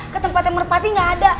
ke tempat yang merpati gak ada